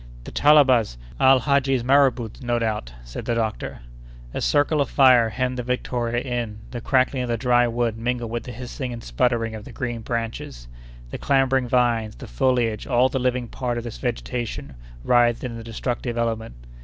"The Talabas! Al Hadji's marabouts, no doubt," said the doctor. A circle of fire hemmed the Victoria in; the crackling of the dry wood mingled with the hissing and sputtering of the green branches; the clambering vines, the foliage, all the living part of this vegetation, writhed in the destructive element.